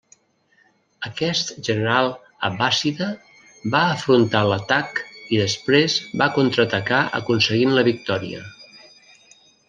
Aquest general abbàssida va afrontar l'atac i després va contraatacar aconseguint la victòria.